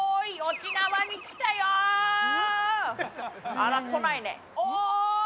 あら、来ないね。